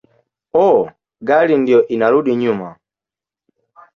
"Oh, gari ndiyo inarudi nyuma"